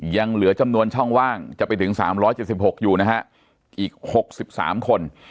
ยังเหลือจำนวนช่องว่างจะไปถึง๓๗๖อยู่นะฮะอีก๖๓คน